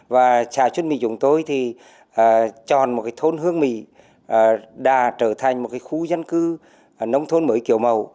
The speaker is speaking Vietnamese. và trà xuân mì chúng tôi thì tròn một cái thôn hương mì đã trở thành một cái khu dân cư nông thôn mới kiểu màu